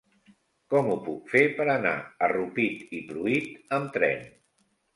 Com ho puc fer per anar a Rupit i Pruit amb tren?